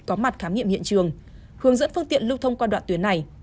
có mặt khám nghiệm hiện trường hướng dẫn phương tiện lưu thông qua đoạn tuyến này